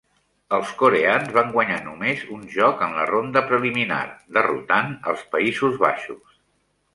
Els coreans van guanyar només un joc en la ronda preliminar, derrotant als Països Baixos.